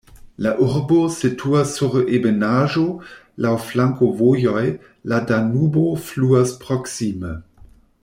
La urbo situas sur ebenaĵo, laŭ flankovojoj, la Danubo fluas proksime.